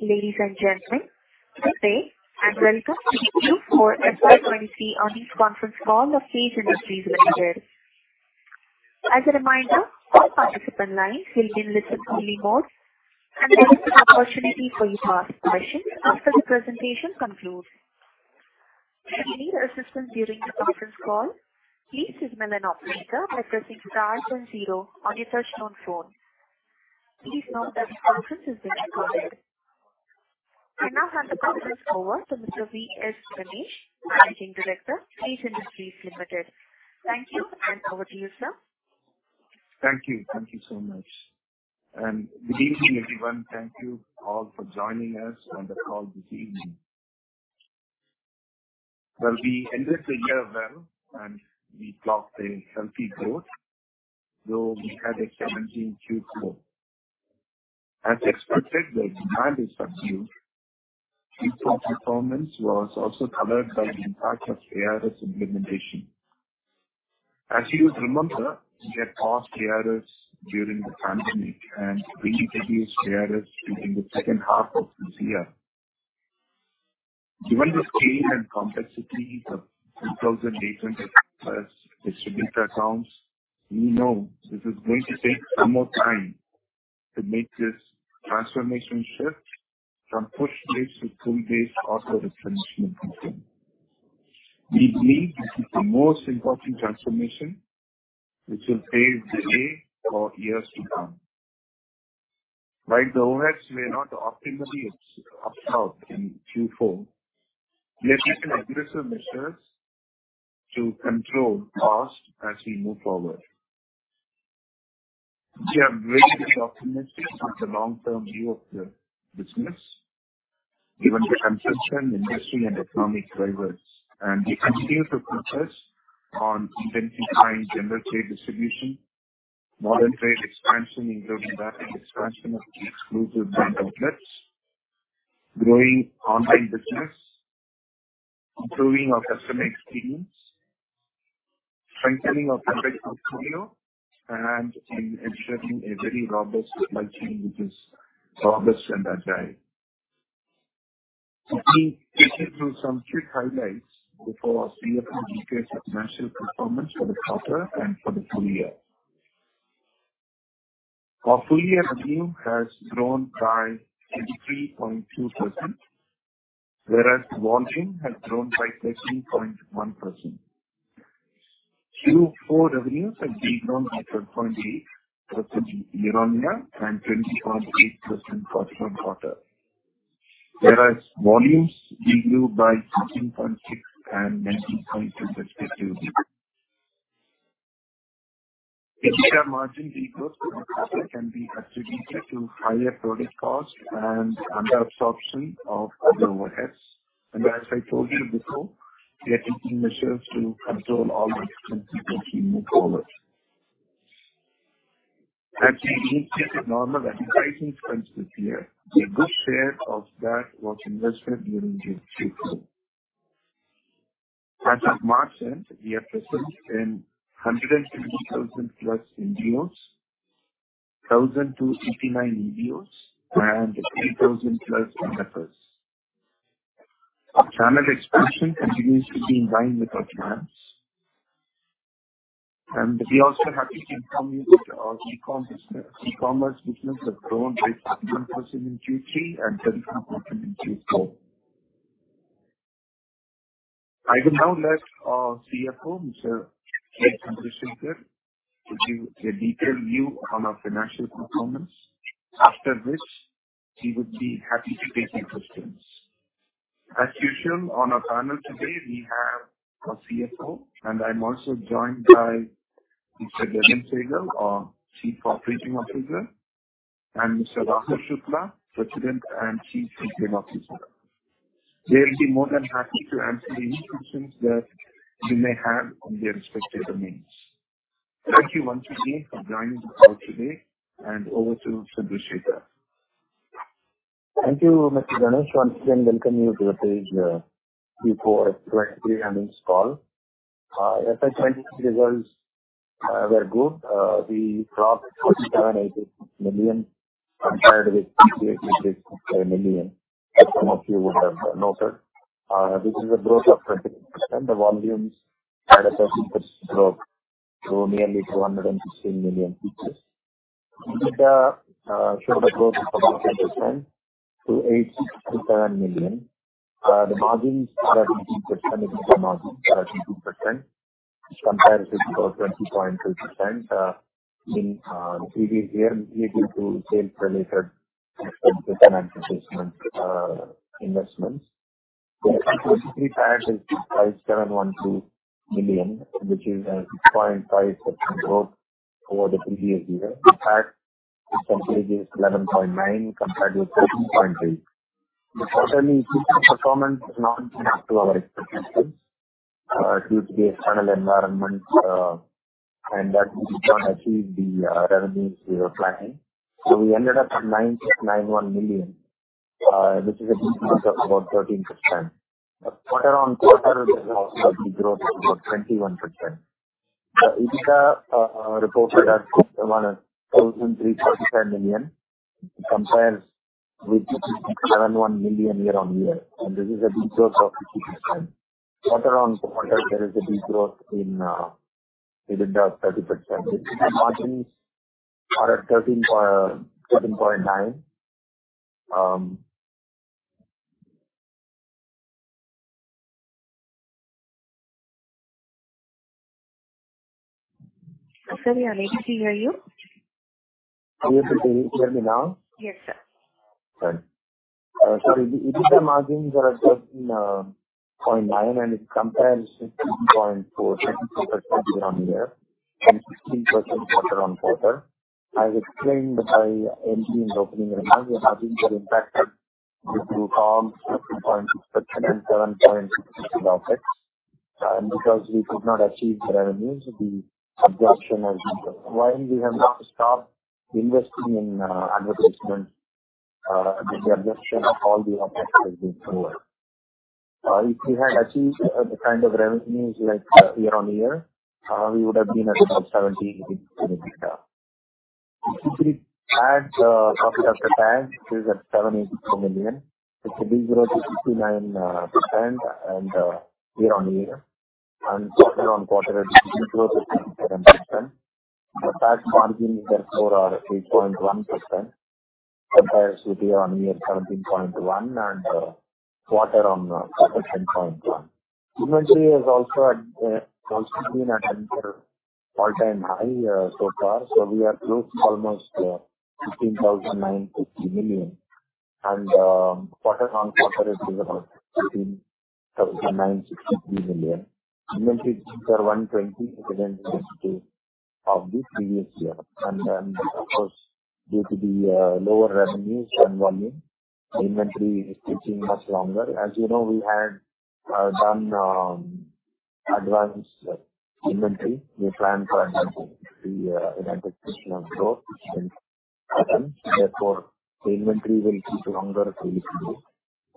Ladies and gentlemen, good day, and welcome to the Q4 FY23 Earnings Conference Call of Page Industries Limited. As a reminder, all participant lines will be in listen-only mode, and there is an opportunity for you to ask questions after the presentation concludes. If you need assistance during the conference call, please signal an operator by pressing star then 0 on your touch-tone phone. Please note that this conference is being recorded. I now hand the conference over to Mr. V.S. Ganesh, Managing Director, Page Industries Limited. Thank you, and over to you, sir. Thank you. Thank you so much, and good evening, everyone. Thank you all for joining us on the call this evening. We ended the year well, and we clocked a healthy growth, though we had a challenging Q4. As expected, the demand is subdued. Q4 performance was also covered by the impact of ARS implementation. As you would remember, we had passed ARS during the pandemic and reintroduce ARS during the second half of this year. Given the scale and complexity of 2,000 agents plus distributor accounts, we know this is going to take some more time to make this transformation shift from push-based to pull-based order transmission system. We believe this is the most important transformation which will pave the way for years to come. While the OpEx may not optimal in Q4, we are taking aggressive measures to control costs as we move forward. We are very optimistic with the long-term view of the business, given the consumption, industry, and economic drivers. We continue to focus on intensifying general trade distribution, modern trade expansion, including expansion of Exclusive Brand Outlets, growing online business, improving our customer experience, strengthening our product portfolio, and in ensuring a very robust supply chain, which is robust and agile. Let me take you through some quick highlights before our CFO details financial performance for the quarter and for the full year. Our full-year revenue has grown by 33.2%, whereas volume has grown by 13.1%. Q4 revenues have been grown by 12.8% year-on-year and 20.8% quarter-on-quarter. Whereas, volumes grew by 16.6 and 19.2 respectively. EBITDA margin regrowth can be attributed to higher product costs and under absorption of other overheads. As I told you before, we are taking measures to control all these things as we move forward. As we initiated normal advertising trends this year, a good share of that was invested during the Q4. As of March end, we are present in 150,000+ MBOs, 1,089 MBOs, and 3,000+ endeavors. Our channel expansion continues to be in line with our plans. We also have to inform you that our e-commerce business have grown by 1% in Q3 and 31% in Q4. I will now let our CFO, Mr. K. Chandrasekar, give you a detailed view on our financial performance. After which, he would be happy to take your questions. As usual, on our panel today, we have our CFO. I'm also joined by Mr. Gagan Sehgal, our Chief Operating Officer, and Mr. Rahul Shukla, President and Chief Retail Officer. They'll be more than happy to answer any questions that you may have on their respective domains. Thank you once again for joining us today. Over to Chandrasekar. Thank you, Mr. Ganesh. Once again, welcome you to the Page Q4 2023 earnings call. FY23 results were good. We dropped 4,780 million compared with 5,850 million, as some of you would have noted. This is a growth of 20%. The volumes had a significant growth, grew nearly to 116 million pieces. EBITDA showed a growth of about 8% to 8,627 million. The margins are 18%, EBITDA margins are 18%, compared to 20.2% in the previous year, due to sales-related finance investment investments. The CapEx is 7.2 million, which is a 6.5% growth over the previous year. In fact, it completes 11.9 compared to 13.8. The quarterly performance is not up to our expectations due to the external environment, that we don't achieve the revenues we were planning. We ended up at 9.91 million, which is a decrease of about 13%. Quarter-on-quarter, there's also a growth of about 21%. The EBITDA reported at around 1,335 million, compared with 71 million year-on-year, this is a degrowth of 60%. Quarter-on-quarter, there is a degrowth in EBITDA of 30%. Margins are at 13.9%. Sorry, I maybe can't hear you. You can hear me now? Yes, sir. Right. The EBITDA margins are at 13.9%, and it compares to 2.47% year-on-year and 16% quarter-on-quarter. As explained by MG in the opening remarks, we have been very impacted with volume degrowth, 13.6%, and 7.6 % effects. Because we could not achieve the revenues, the absorption has been. While we have not stopped investing in advertisement, the absorption of all the advertising is being forward. If we had achieved the kind of revenues like year-on-year, we would have been at about 70 EBITDA. If we add profit after tax, it is at 782 million. It's a degrowth of 69% year-on-year and quarter-on-quarter, degrowth of 67%. The tax margin therefore, are 3.1%, compares with year-over-year 17.1% and quarter-over-quarter 10.1%. Inventory is also been at an all-time high so far. We are close to almost 15,960 million. Quarter-over-quarter, it is about INR 15,963 million. Inventories are 120% of the previous year. Of course, due to the lower revenues and volume, the inventory is taking much longer. As you know, we had done advanced inventory. We planned for the anticipation of growth and patterns, therefore, the inventory will keep longer previously.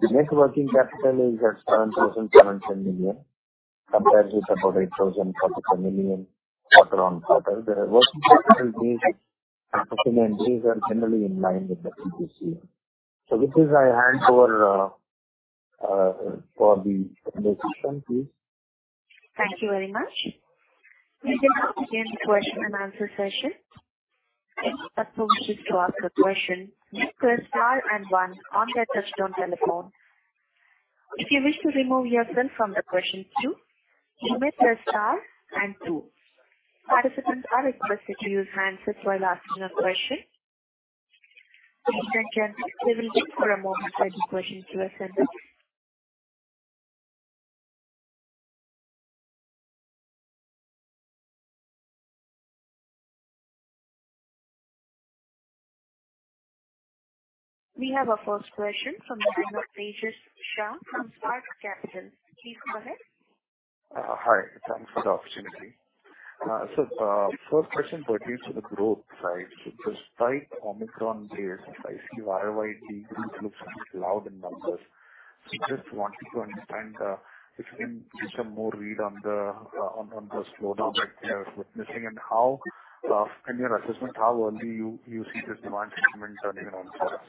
The net working capital is at 7,710 million, compares with about 8,044 million quarter-over-quarter. The working capital days and days are generally in line with the previous year. With this, I hand over for the question, please. Thank you very much. We can now begin the question and answer session. If participants wish to ask a question, press star and one on their touchtone telephone. If you wish to remove yourself from the question queue, you may press star and two. Participants are requested to use handsets while asking a question. Ladies and gentlemen, we will wait for a moment for the question to be sent in. We have our first question from the line of Tejash Shah from Spark Capital. Please go ahead. Hi. Thanks for the opportunity. First question pertains to the growth side. Despite Omicron case, I see YOY decrease looks loud in numbers. Just wanted to understand if you can give some more read on the slowdown that you are witnessing and how in your assessment, how early you see this demand sentiment turning around for us?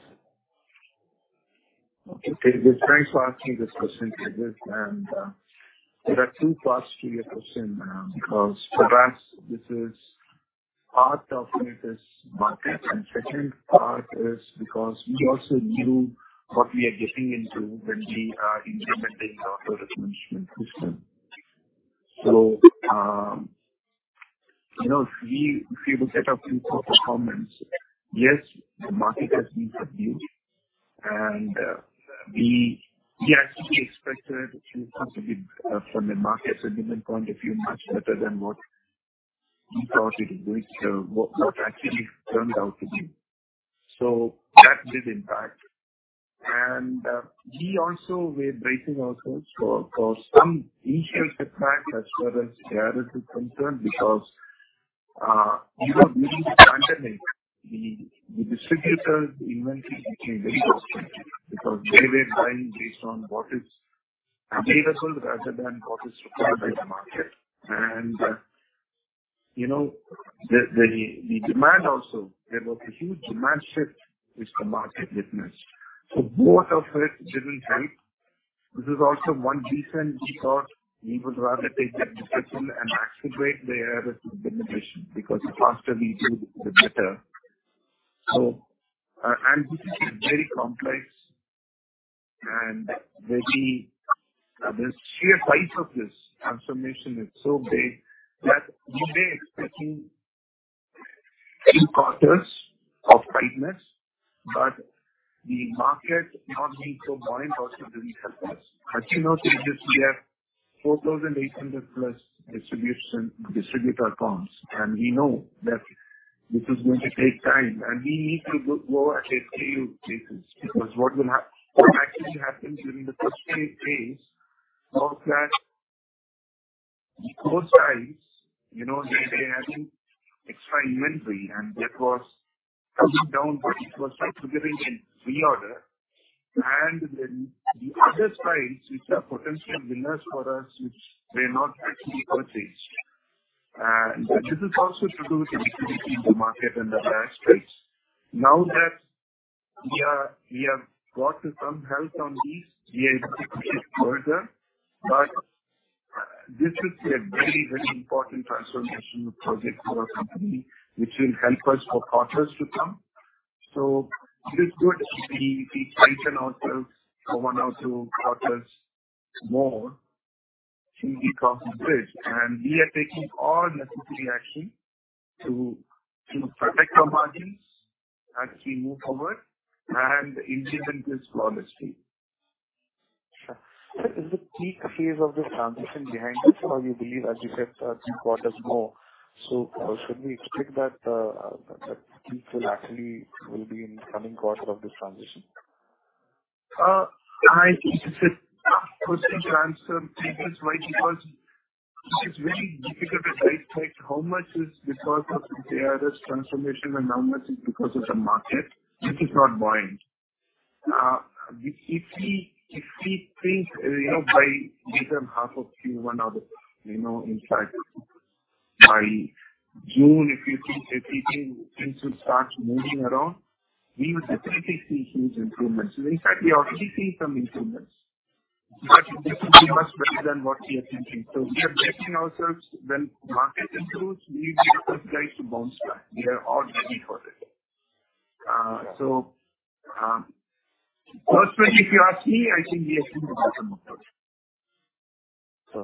Okay. Thanks for asking this question, Tejash, and there are two parts to your question, because for us, this is part of it is market, and second part is because we also knew what we are getting into when we are implementing our product management system. you know, if we will set up two performance, yes, the market has been subdued, and we expected to possibly from the market segment point of view, much better than what we thought it would, what actually turned out to be. That did impact. We also were bracing ourselves for some issues to track as far as the added is concerned, because, you know, during the pandemic, the distributor inventory became very restricted because they were buying based on what is available rather than what is required by the market. You know, the demand also, there was a huge demand shift which the market witnessed. Both of it didn't help. This is also one reason we thought we would rather take that decision and accelerate the innovation, because the faster we do, the better. This is very complex and very, the sheer size of this transformation is so big that we were expecting 2 quarters of tightness, but the market not being so buying also didn't help us. You know, Tejash, we have 4,800 plus distributor comms, and we know that this is going to take time, and we need to go at a SKU basis, because what actually happens during the first 3 days is that those guys, you know.... extra inventory, and that was coming down, but it was triggering a reorder. The other styles, which are potential winners for us, which were not actually purchased. This is also to do with the liquidity in the market and the last price. Now that we have gotten some help on these, we are able to push it further, but this is a very, very important transformational project for our company, which will help us for quarters to come. It is good. We tighten ourselves for one or two quarters more to become bridge, and we are taking all necessary action to protect our margins as we move forward and implement this flawlessly. Sure. Sir, is the peak phase of this transition behind us, or you believe as you get two quarters more, so should we expect that peak will actually be in the coming quarter of this transition? I think it's a good question, because it's very difficult to predict how much is because of the ARS transformation and how much is because of the market, which is not buying. If we think, you know, by give them half of Q1 of it, you know, in fact, by June, if you think everything will start moving around, we will definitely see huge improvements. In fact, we already see some improvements, but this is much better than what we are thinking. We are bracing ourselves when market improves, we will be the first guys to bounce back. We are all ready for it. Personally, if you ask me, I think we are in the bottom trough.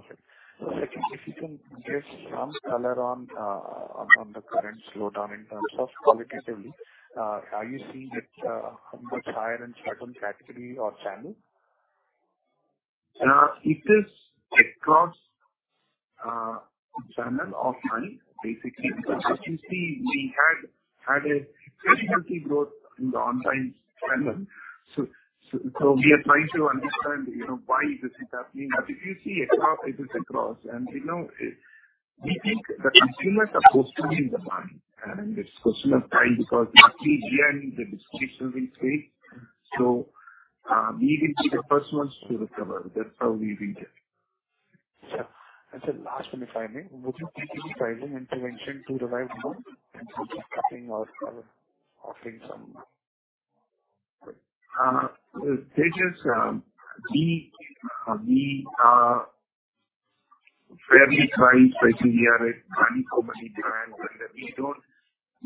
Perfect. If you can get some color on the current slowdown in terms of qualitatively, are you seeing it much higher in certain category or channel? It is across channel or money, basically. If you see, we had a very healthy growth in the online channel, so we are trying to understand, you know, why this is happening. If you see across, it is across, and, you know, we think the consumers are mostly in the buying, and it's question of time, because at the end, the decision will take. We will be the first ones to recover. That's how we will get it. Sure. Sir, last one, if I may. Would you be thinking of pricing intervention to revive demand instead of cutting off or offering some...? Tejash, we are fairly priced. I think we are at value for money brand.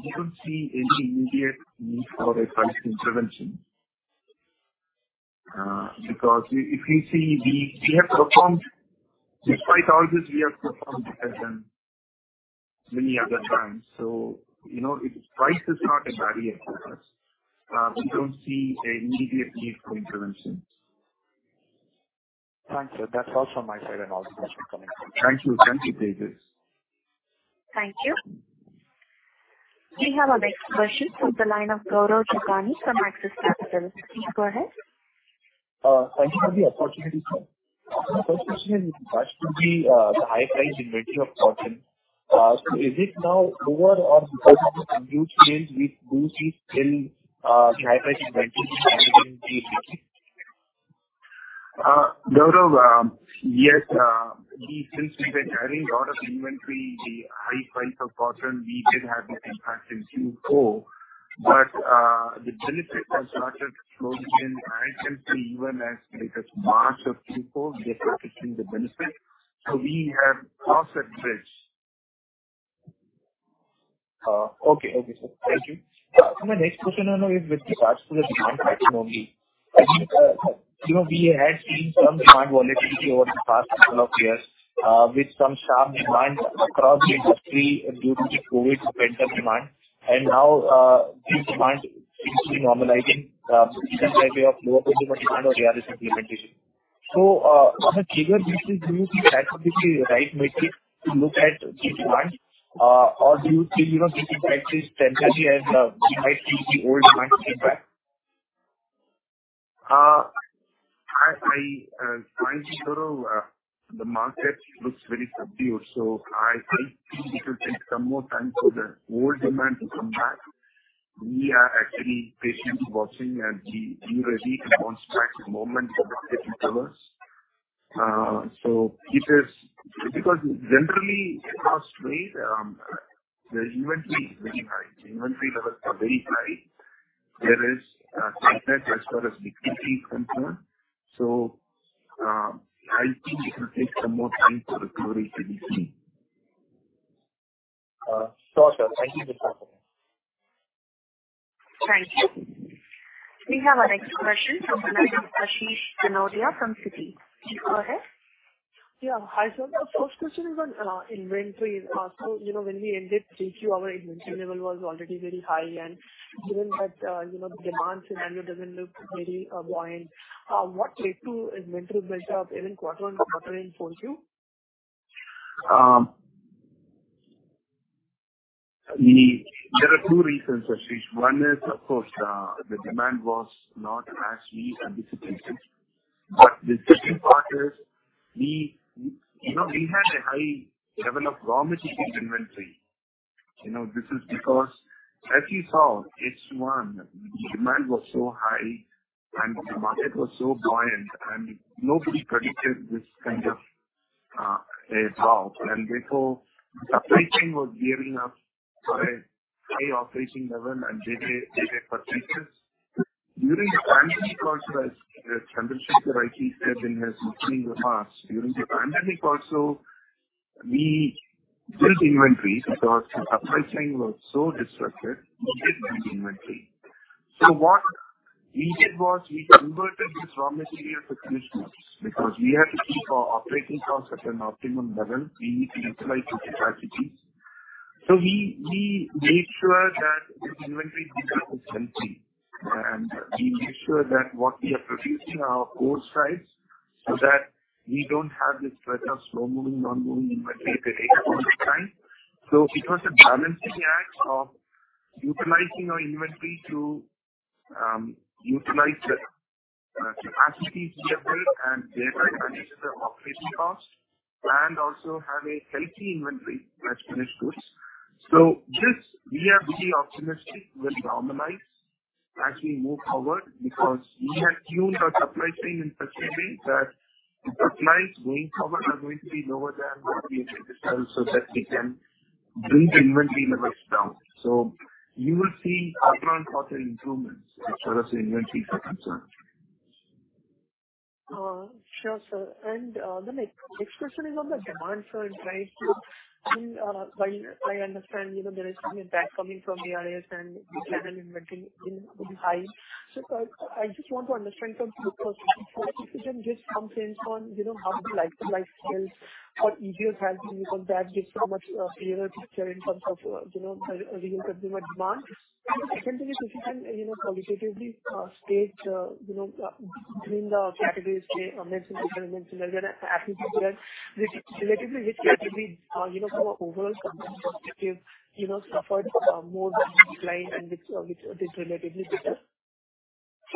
We don't see any immediate need for a price intervention. If you see, we have performed. Despite all this, we have performed better than many other brands. You know, if price is not a barrier for us, we don't see an immediate need for intervention. Thanks, sir. That's all from my side and all questions coming from... Thank you. Thank you, Tejash. Thank you. We have our next question from the line of Gaurav Jogani from Axis Capital. Please go ahead. Thank you for the opportunity, sir. My first question is, with regards to the high price inventory of cotton, is it now lower or higher in huge sales, we do see still, the high price inventory? Gaurav, yes, since we were carrying a lot of inventory, the high price of cotton, we did have an impact in Q4. The benefit was started flowing in. I can say even as late as March of Q4, we are seeing the benefit. We have crossed that bridge. Okay. Okay, sir. Thank you. My next question, I know, is with regards to the demand pattern only. I think, you know, we had seen some demand volatility over the past couple of years, with some sharp demand across the industry due to the COVID pent-up demand, and now, this demand seems to be normalizing, either by way of lower demand or reality implementation. On a quarter basis, do you see that would be the right metric to look at this demand, or do you think, you know, this impact is temporary and, we might see the old demand come back? I, frankly, Gaurav, the market looks very subdued. I think it will take some more time for the old demand to come back. We are actually patiently watching and be ready to bounce back the moment the demand recovers. It is because generally, across way, the inventory is very high. Inventory levels are very high. There is a threat as far as the ticking is concerned. I think it will take some more time for recovery to be seen. sure, sir. Thank you for talking. Thank you. We have our next question from Ashish Kanodia from Citi. Please go ahead. Yeah. Hi, sir. The first question is on inventory. You know, when we ended Q3, our inventory level was already very high, and given that, you know, demand scenario doesn't look very buoyant, what led to inventory build-up in quarter and quarter in Q4? There are two reasons, Ashish. One is, of course, the demand was not as we anticipated. The second part is we, you know, we had a high level of raw material inventory. You know, this is because, as you saw, H1, the demand was so high and the market was so buoyant, and nobody predicted this kind of a fall. Therefore, the supply chain was gearing up for a high operating level and they purchased. During the pandemic also, as K. Chandrasekar said in his meeting in the past, during the pandemic also, we built inventory because the supply chain was so disrupted, we did build inventory. What we did was we converted the raw material to finished goods because we had to keep our operating cost at an optimum level. We need to utilize the capacity. We made sure that the inventory mix was healthy, and we made sure that what we are producing are core size, so that we don't have this threat of slow-moving, non-moving inventory that takes all the time. It was a balancing act of utilizing our inventory to utilize the capacity we have built and thereby reduce the operating cost and also have a healthy inventory as finished goods. This, we are pretty optimistic, will normalize as we move forward, because we have tuned our supply chain in such a way that the supplies going forward are going to be lower than what we have done, so that we can bring the inventory levels down. You will see upfront quarter improvements as far as the inventory is concerned. Sure, sir. The next question is on the demand for price. In, while I understand, you know, there is some impact coming from ARS and the channel inventory will be high. So I just want to understand from you, first, if you can give some sense on, you know, how the life to life sales for EBO has been, because that gives a much clearer picture in terms of, you know, real consumer demand. Secondly, if you can, you know, qualitatively, state, you know, between the categories, say, mentioned earlier, relatively, which category, you know, from an overall perspective, you know, suffered more decline and which is relatively better?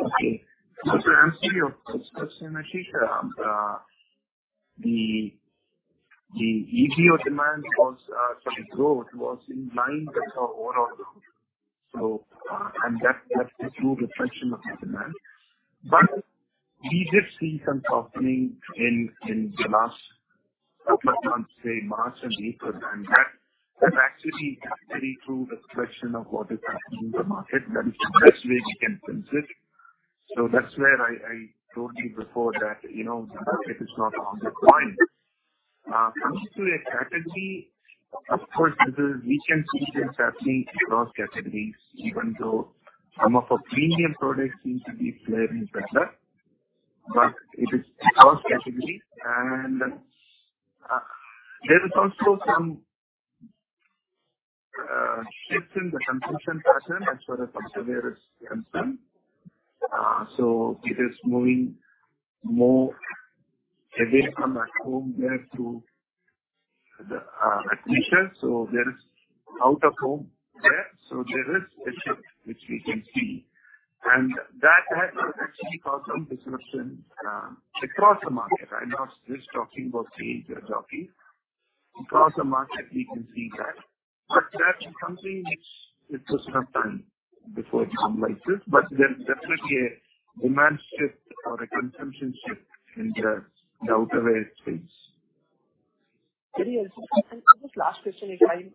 Okay. To answer your first question, Ashish Kanodia, the EBO demand was, sorry, growth was in line with our overall growth. That's, that's a true reflection of the demand. We did see some softening in the last couple of months, say, March and April, and that is actually true reflection of what is happening in the market. That is the best way we can sense it. That's where I told you before that, you know, it is not on the point. Coming to a category, of course, we can see this happening across categories, even though some of our premium products seem to be faring better, but it is across categories. There is also some shift in the consumption pattern as far as consumer is concerned. It is moving more away from at-home care to the atheisure. There is out-of-home care, so there is a shift, which we can see, and that has actually caused some disruption across the market. I'm not just talking about Page or Jockey. Across the market, we can see that. That's something which it took some time before it come like this, but there's definitely a demand shift or a consumption shift in the outerwear space. Very interesting. Just last question, if I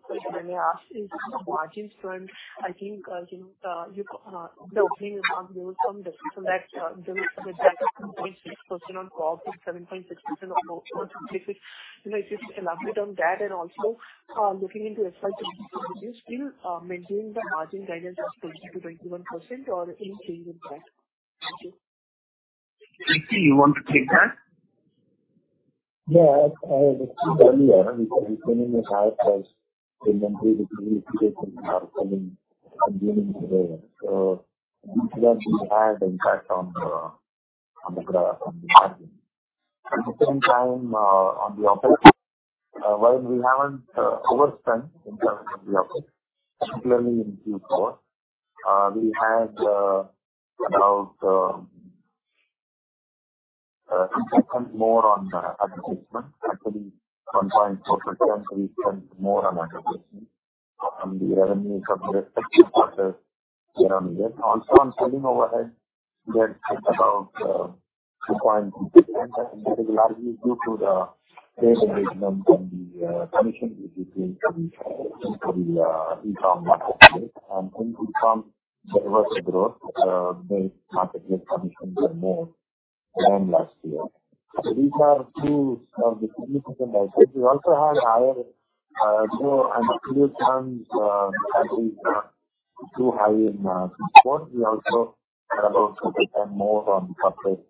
may ask, is margins current? I think, you know, the opening is on those from the, from that, there was a 0.6% on COG to 7.6% or more specific. You know, just elaborate on that and also, looking into FY24, would you still maintain the margin guidance of 20%-21% or any change in that? Thank you. Shakti, you want to take that? Yeah, I had achieved earlier. We went in a higher cost inventory, the previous periods are coming and giving today. These will have had impact on the margin. At the same time, on the opposite, while we haven't overspent in terms of the output, particularly in Q4, we had about spent more on the advertisement. Actually, from time to return, we spent more on advertisement from the revenue from the respective quarter year-on-year. Also, on selling overhead, we had spent about 2.6%, and this is largely due to the same engagement on the commission, which is being into the e-com marketplace. Since e-com delivered the growth, the marketplace commissions were more than last year. These are two of the significant aspects. We also have higher raw material terms, I think, too high in Q4. We also had to spend more on the public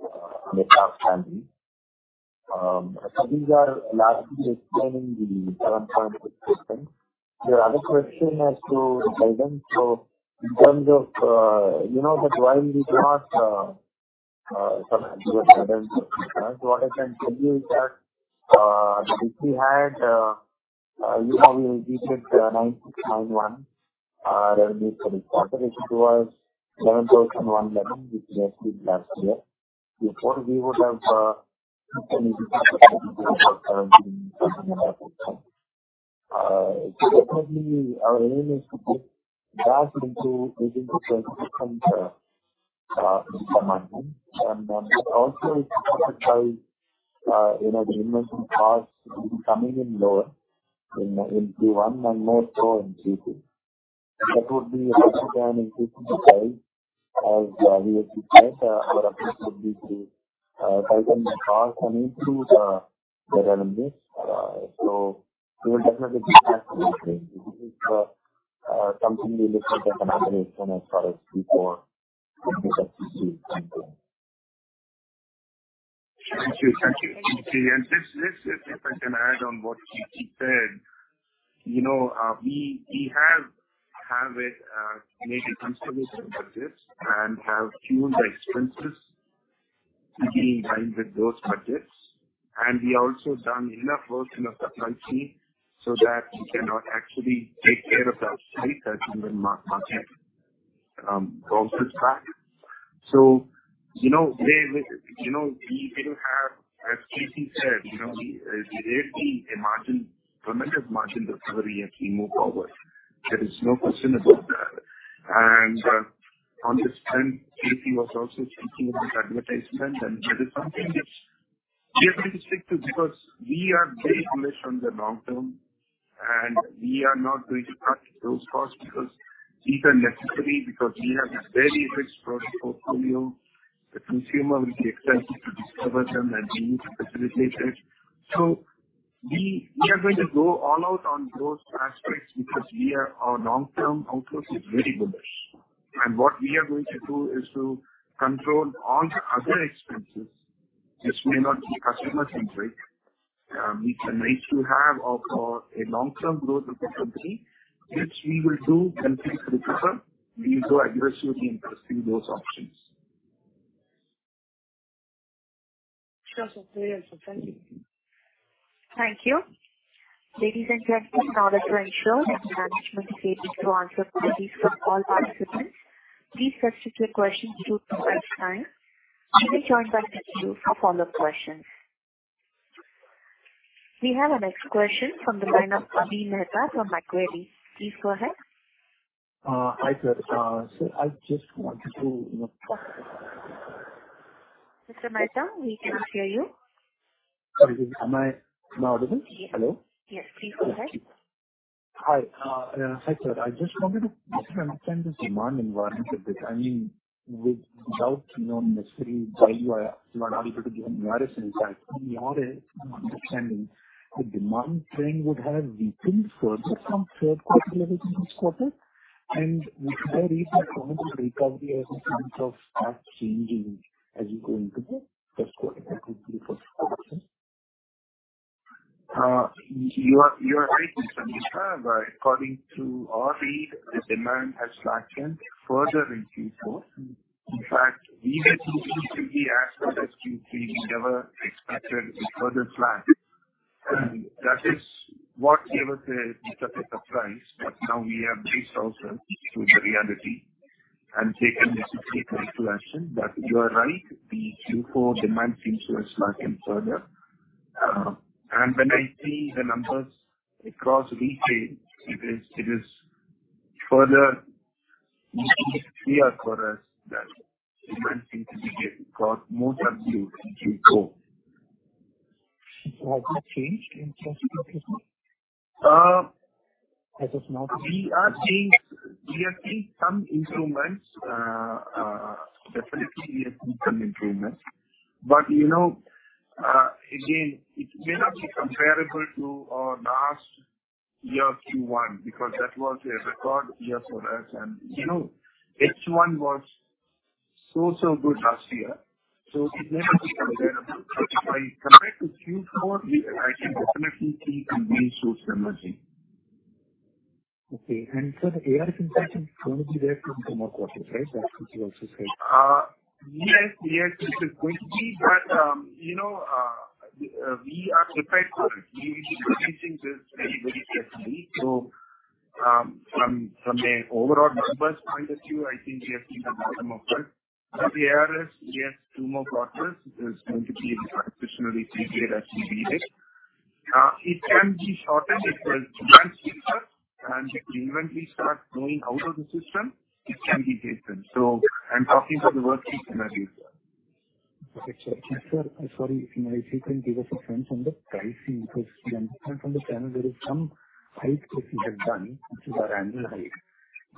on the staff salary. These are largely explaining the 7.6%. The other question as to guidance. In terms of, you know that while we did not, from your guidance, what I can tell you is that, if we had, you know, we did it 9,691.... Revenue for this quarter, it was INR 7,111, which is actually last year. Before we would have, definitely our aim is to get back into the different command. Also it's not because, you know, the inventory costs will be coming in lower in Q1 and more so in Q2. That would be a better plan in terms of the price, as we would expect our approach would be to drive some more cars and improve the revenues. We will definitely be back to you. This is something we look at as an aberration as far as Q4. Thank you. Thank you, if I can add on what she said. You know, we have made considerable budgets and have tuned the expenses to be in line with those budgets. We also done enough work in the supply chain so that we can actually take care of the upside as in the market bounces back. You know, we will have, as Chandrasekar said, you know, we are seeing a tremendous margin recovery as we move forward. There is no question about that. On this end, Chandrasekar was also thinking about advertisement. That is something which we are going to stick to because we are very bullish on the long term. We are not going to cut those costs, because these are necessary, because we have a very rich product portfolio. The consumer will be expected to discover them. We need to facilitate it. We are going to go all out on those aspects because our long-term outlook is very bullish. What we are going to do is to control all the other expenses which may not be customer-centric. We can make to have a long-term growth of the company, which we will do completely different. We'll go aggressively in pursuing those options. Sure. Thank you. Thank you. Ladies and gentlemen, in order to ensure that the management is able to answer queries from all participants, please restrict your questions to 2 at a time. We will join back with you for follow-up questions. We have our next question from the line of Avi Mehta from Macquarie. Please go ahead. Hi, sir. I just wanted to, you know. Mr. Mehta, we cannot hear you. Sorry, am I now audible? Yes. Hello? Yes, please go ahead. Hi. Hi, sir. I just wanted to understand this demand environment a bit. I mean, without, you know, necessarily JAI, you are not able to give a precise insight. In your understanding, the demand trend would have weakened further from third quarter level to this quarter. Is there a reason for the recovery as a sense of start changing as you go into the first quarter? That would be the first question. You are right, Mr. Mehta, according to our read, the demand has slackened further in Q4. In fact, even in Q3, we never expected a further slack, that is what gave us a surprise. Now we have braced ourselves to the reality and taken the necessary action. You are right, the Q4 demand seems to have slackened further. When I see the numbers across retail, it is further clear for us that demand seems to be getting across more time to Q4. Has that changed in terms of business? As of now. We are seeing some improvements. Definitely we have seen some improvements. You know, again, it may not be comparable to our last year Q1, because that was a record year for us. You know, H1 was so good last year, so it may not be comparable. If I compare to Q4, I can definitely see some green shoots emerging. Okay. So the ARS inflation is going to be there to more quarters, right? That's what you also said. Yes, it is going to be. You know, we are prepared for it. We are facing this very, very carefully. From an overall numbers point of view, I think we have seen the bottom of it. The ARS, we have 2 more quarters. It is going to be traditionally heavier as we read it. It can be shortened if the range clears and inventory starts going out of the system, it can be hastened. I'm talking from the worst case scenario. Okay, sir. Sir, sorry, if you can give us a sense on the pricing, because we understand from the channel there is some price increase you have done, which is around height.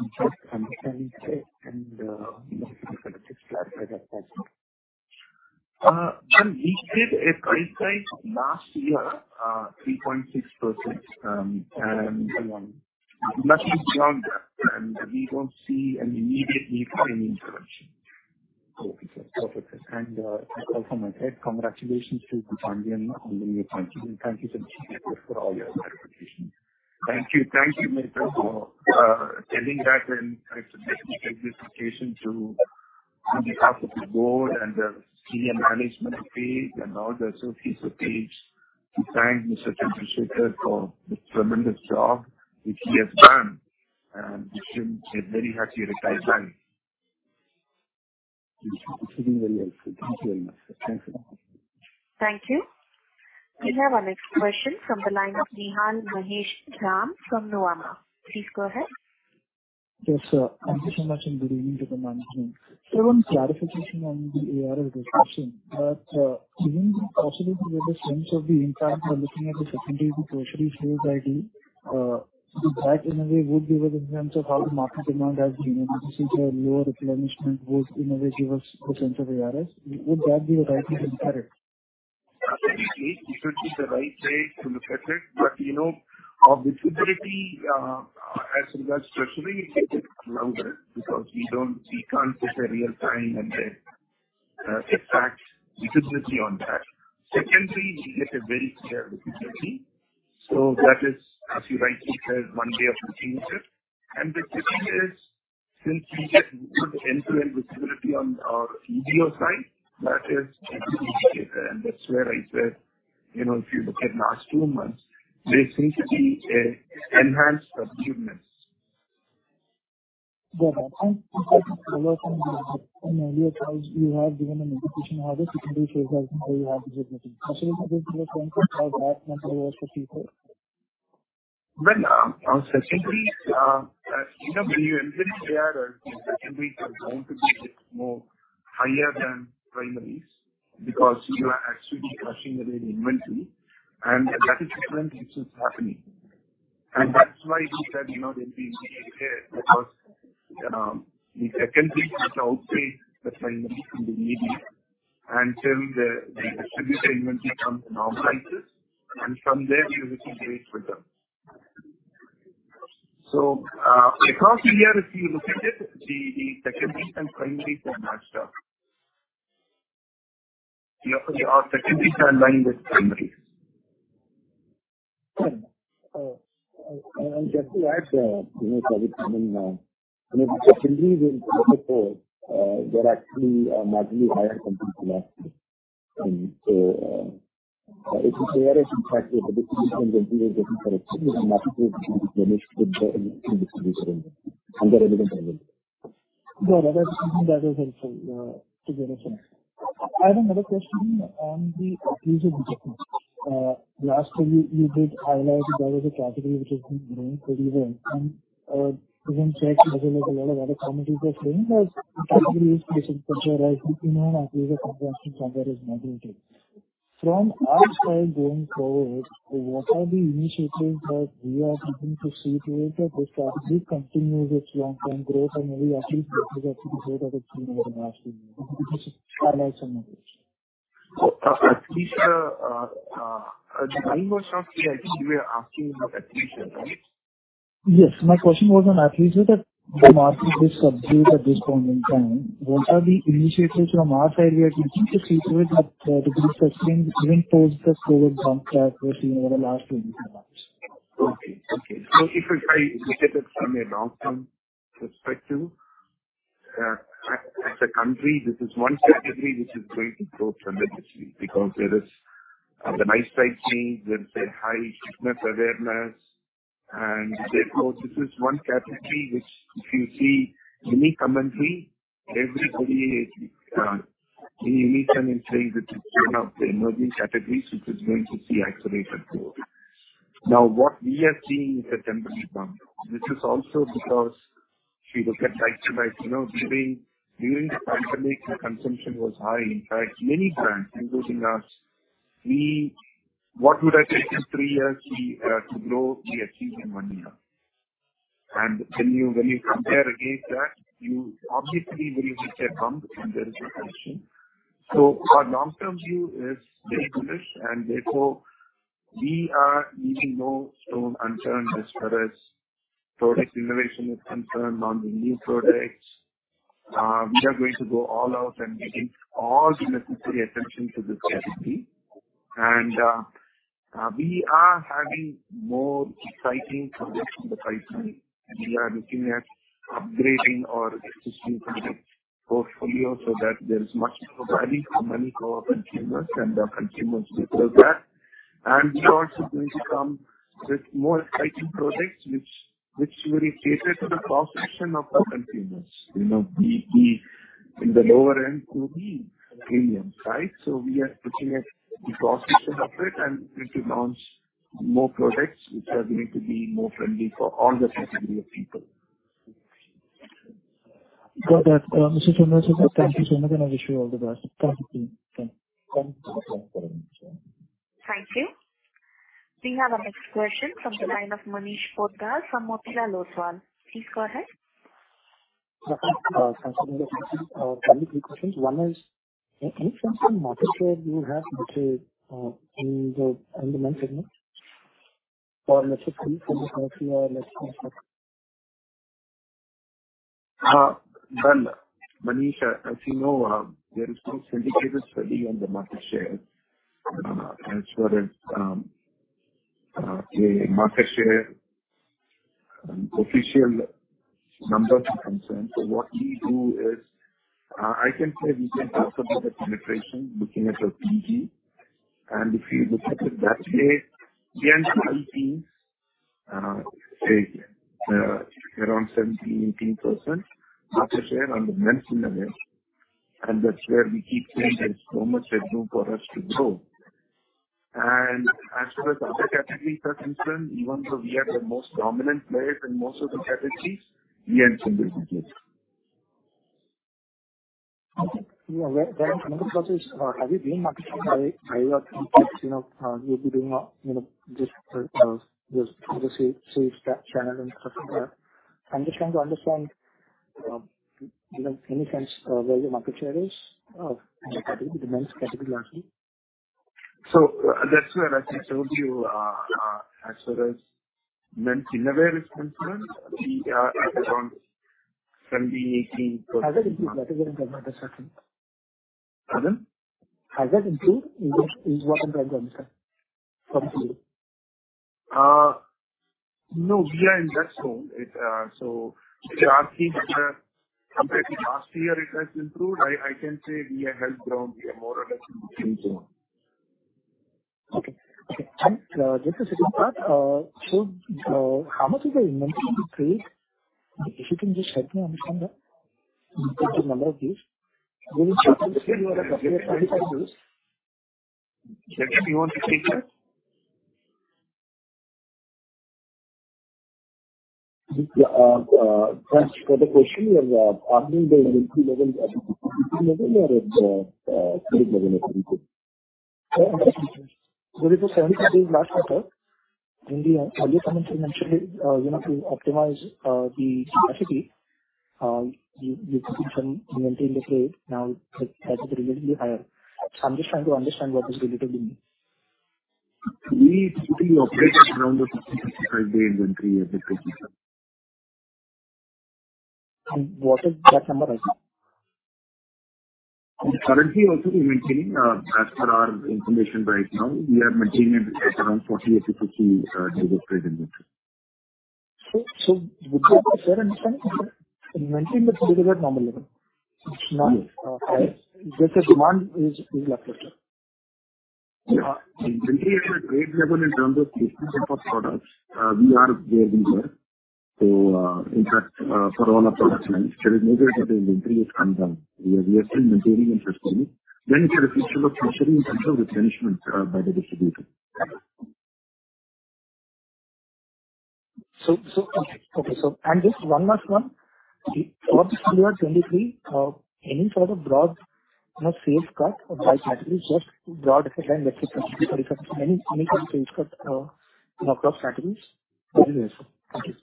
I'm just understanding and, you know, just clarify that part. We did a price hike last year, 3.6%, and nothing beyond that, and we don't see an immediate need for any intervention. Okay, sir. Perfect. Also my third congratulations to you on the new appointment. Thank you so much for all your clarifications. Thank you. Thank you, Mehta, for telling that, and I take this occasion to, on behalf of the board and the senior management team and all the associates of Page. We thank Mr. Chandrashekar for the tremendous job which he has done, and wish him a very happy retirement. This has been very helpful. Thank you very much, sir. Thanks a lot. Thank you. We have our next question from the line of Nihal Mahesh Jham from Nomura. Please go ahead. Yes, sir. Thank you so much, and good evening to the management. One clarification on the ARS discussion. Given the possibility that the sense of the impact by looking at the secondary to tertiary sales side, that in a way would give us a sense of how the market demand has been. Since a lower replenishment would in a way give us the sense of ARS, would that be the right way to look at it? Absolutely. It would be the right way to look at it. You know, our visibility, as regards tertiary, it gets louder because we can't get a real-time and then exact visibility on that. Secondly, we get a very clear visibility. That is, as you rightly said, one way of looking at it. The third thing is, since we get good end-to-end visibility on our EDO side, that is data. That's where I said, you know, if you look at last two months, there seems to be a enhanced procurement. Got it. You have given an indication how the secondary sales are you have to get looking. This is a point of how that compares to people. Well, our secondaries, you know, when you enter the AR, the secondaries are going to be a bit more higher than primaries because you are actually crushing away the inventory, and that is different, which is happening. That's why we said, you know, it being behavior, because the secondaries must outweigh the primaries in the media and till the distributor inventory comes normalizes, and from there we will see great return. Across the year, if you look at it, the secondaries and primaries are matched up. Your secondaries are in line with primaries. Just to add, you know, from an secondaries in Q4, they're actually marginally higher compared to last year. If you clear it, in fact, with the distribution, then we are getting correction, and the market will be replenished with the distribution under relevant level. Got that. That is helpful, to generation. I have another question on the athleisure segment. Last time you did highlight that was a category which has been growing pretty well, and even said, as a lot of other committees are saying, that it has been used to disappear, right? You know, athleisure consumption somewhere is not okay. From our side going forward, what are the initiatives that we are looking to see to it, that this category continues its long-term growth and maybe athleisure category actually out of three over the last few years? Highlight some of it? Well, athleisure, the line was of, I think you were asking about athleisure, right? Yes. My question was on athleisure, that the market is subdued at this point in time. What are the initiatives from our side we are looking to see to it that the growth sustained even post the COVID bump that we've seen over the last two months? Okay. Okay. If I look at it from a long-term perspective, as a country, this is 1 category which is going to grow tremendously because there is the lifestyle change, there is a high treatment awareness, and therefore, this is 1 category which if you see any commentary, everybody, in any commentary, that is 1 of the emerging categories which is going to see accelerated growth. What we are seeing is a temporary bump, which is also because if you look at item by, you know, during the pandemic, the consumption was high. In fact, many brands, including us, what would I take in 3 years we to grow, we achieved in 1 year. When you compare against that, you obviously very much get bumped, and there is a correction. Our long-term view is very bullish, and therefore we are leaving no stone unturned as far as product innovation is concerned. On the new products, we are going to go all out and getting all the necessary attention to this category. We are having more exciting products in the pipeline, and we are looking at upgrading our existing product portfolio so that there is much more value for money for our consumers, and our consumers deserve that. We are also going to come with more exciting products, which will be catered to the cross-section of our consumers. You know, in the lower end to the premium, right? We are looking at the cross-section of it and going to launch more products, which are going to be more friendly for all the category of people. Got that, Mr. Ganesh. Thank you so much, and I wish you all the best. Thank you. Thank you. Thank you. We have our next question from the line of Manish Poddar from Motilal Oswal. Please go ahead. Thank you. Only 3 questions. 1 is, any sense of market share do you have, which is in the segment or market share? Well, Manish, as you know, there is no syndicated study on the market share. As far as the market share official numbers are concerned. What we do is, I can say we can talk about the penetration looking at the PG, and if you look at it that way, we are seeing, say, around 17%-18% market share on the men's innerwear, and that's where we keep saying there's so much room for us to grow. As far as other categories are concerned, even though we are the most dominant players in most of the categories, we are still building it. Okay. Yeah, well, another question is, have you been marketing by your, you know, you'll be doing a, you know, just to see that channel and stuff like that. I'm just trying to understand, you know, any sense of where your market share is of the men's category largely? That's where I told you, as far as men's innerwear is concerned, we are at around 17%-18%. Has that improved? Pardon. Has that improved in volume terms, sir, from you? No, we are in that zone. If you're asking whether compared to last year, it has improved, I can say we have held ground. We are more or less in the same zone. Okay. Okay, just the second part, how much is the inventory you create? If you can just help me understand that, the number of days. You said you are at 75 days. Can you repeat, sir? Yeah, thanks for the question. You're asking the entry level at the level or at the clinic level, if I'm good? It was 72 days last quarter. In the earlier comments, you mentioned, you know, to optimize the capacity, you could turn inventory in the trade. It has relatively higher. I'm just trying to understand what is relatively means. We typically operate around the 50, 65 day inventory at the trade level. What is that number right now? Currently also, we maintain, as per our information right now, we are maintaining at around 40 to 50 delivery trade inventory. Would you say that inventory is at normal level? Yes. It's not that the demand is uplifted. Yeah. In terms of trade level, in terms of distribution for products, we are building there. In fact, for all our product lines, there is no way that the inventory has come down. We are still maintaining inventory. It is a function of treasury in terms of the management, by the distributor. Okay. Just one last one. For the year 23, any sort of broad, you know, sales cut by category, just broad effect, and let it come to 30%. Any sales cut across categories? Thank you.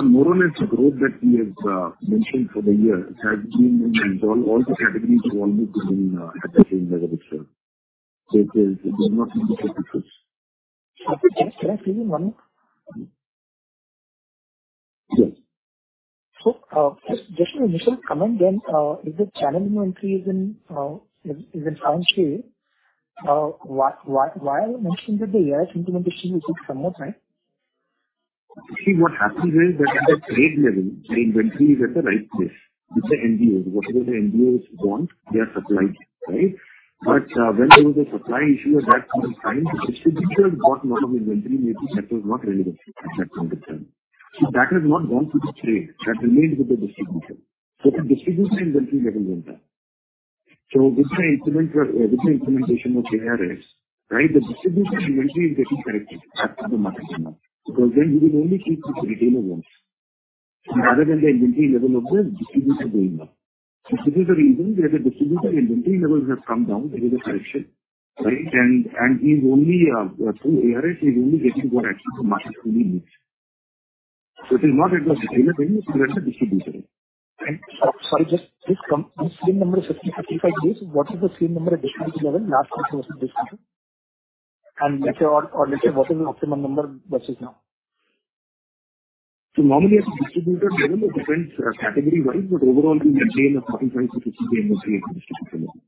More or less, the growth that we have mentioned for the year, it has been in all the categories almost in at the same level. It is not significant. Okay, can I ask you one more? Yes. Just an initial comment, then, is the channel entry is in round three? Why mentioning that the year implementation, which is some more time? Actually, what happened is that at the trade level, the inventory is at the right place. It's the MBOs. Whatever the MBOs want, they are supplied, right? When there was a supply issue at that point in time, the distributors got lot of inventory, maybe that was not relevant at that point in time. That has not gone to the trade, that remained with the distributor. The distributor inventory level went up. With the implementation of ARS, right, the distribution inventory is getting corrected as per the market demand, because then you will only keep the retailer once, rather than the inventory level of the distributor going up. This is the reason that the distributor inventory levels have come down. There is a correction, right? He's only, through ARS, he's only getting what actually the market really needs. It is not at the distributor, right? Sorry, just this number is 50, 55 days. What is the same number at distributor level last year versus this year? Let's say or let's say, what is the optimum number versus now? Normally, at the distributor level, it depends, category-wise, but overall, we maintain a 45- to 50-day inventory at the distributor level.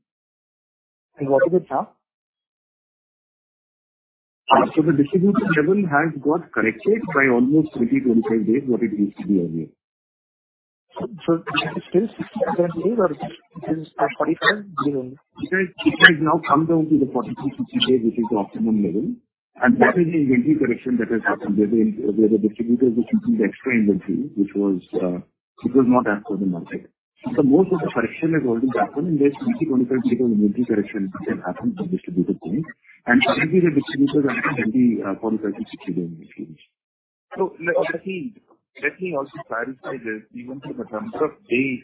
What is it now? The distributor level has got corrected by almost 20-25 days, what it used to be earlier. So it's still 65 days or it is 45 days? It has now come down to the 45, 50 days, which is the optimum level, and that is the inventory correction that has happened, where the distributors are keeping the extra inventory, which was, which was not as per the market. Most of the correction has already happened, and there's 20, 25 days of inventory correction that happened from distributor point. Currently, the distributors are maintaining 45 to 50-day inventory. Let me also clarify this, even from the terms of days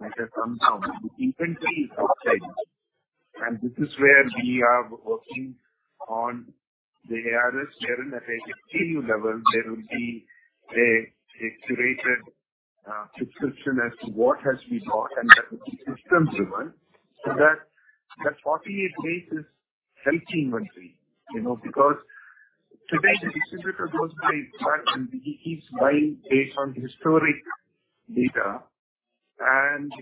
that have come down, the inventory is outside, and this is where we are working on the ARS, wherein at a SKU level, there will be a curated subscription as to what has to be bought and that will be system-driven. That, that 48 days is healthy inventory, you know, because today the distributor goes by and he keeps buying based on historic data.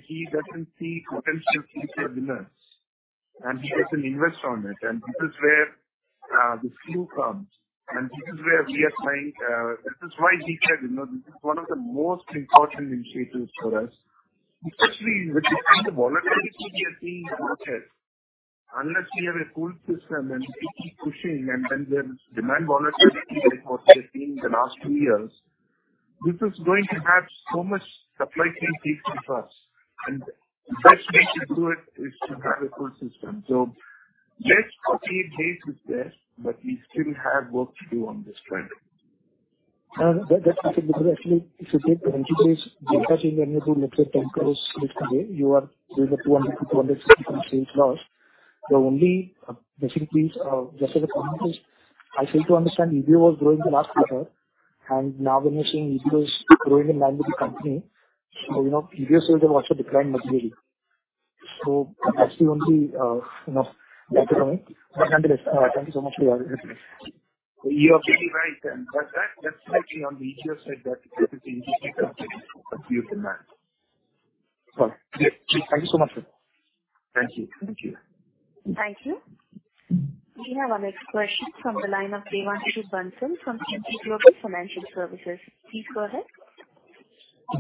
He doesn't see potential future winners, and he doesn't invest on it, and this is where the SKU comes. This is where we are trying, this is why we said, you know, this is one of the most important initiatives for us, especially with the kind of volatility we are seeing in the market. Unless you have a pool system and we keep pushing and then the demand volatility that we have seen in the last two years, this is going to have so much supply chain safety for us, and the best way to do it is to have a pool system. Let's agree base is there, but we still have work to do on this front. That's because actually, if you take the entry base, when you do mixture INR 10 crores, you are with a 200%-250% loss. The only basically, just as a comment is, I fail to understand EBO was growing in the last quarter, now when you're saying EBO is growing in line with the company, you know, EBO sales have also declined materially. That's the only, you know, background. Nonetheless, thank you so much for your answer. You are really right, and that's actually on the EBO side, that it is a huge growth for us. Well, yeah. Thank you so much, sir. Thank you. Thank you. Thank you. We have our next question from the line of Devanshu Bansal from Emkay Global Financial Services. Please go ahead.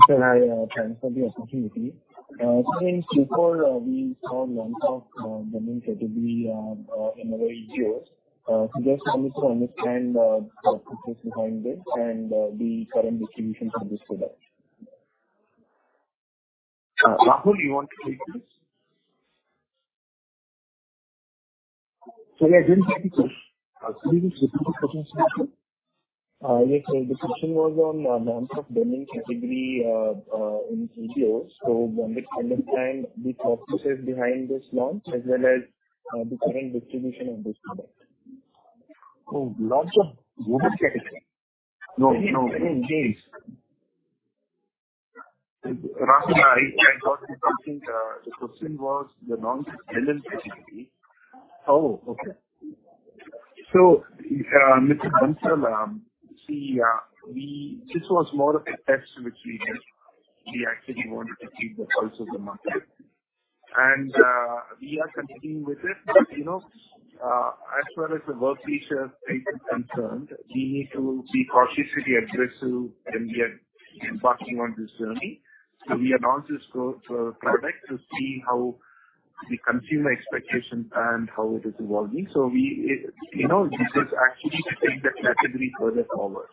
Sir, hi, thanks for the opportunity. Before, we saw the launch of the new category in EBO. Just wanted to understand the process behind this and the current distribution for this product. Rahul, you want to take this? Sorry, I didn't get the question. Could you please repeat the question, sir? Yes, sir. The question was on launch of gaming category in EBO. Wanted to understand the processes behind this launch as well as the current distribution of this product. Oh, launch of gaming category? No, no, games. Rahul, I got you something. The question was the launch of gaming category. Okay. Mr. Bansal, see, this was more of a test which we did. We actually wanted to see the pulse of the market, and we are continuing with it. You know, as well as the work feature is concerned, we need to be cautiously aggressive, and we are embarking on this journey. We announced this product to see how the consumer expectations and how it is evolving. We, you know, this is actually to take the category further forward.